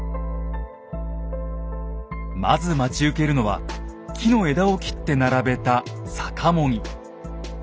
まず待ち受けるのは木の枝を切って並べた「逆茂木」。